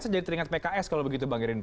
saya jadi teringat pks kalau begitu bang gerindra